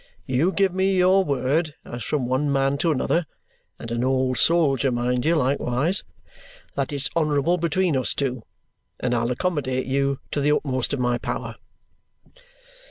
You give me your word, as from one man to another (and an old soldier, mind you, likewise), that it's honourable between us two, and I'll accommodate you to the utmost of my power."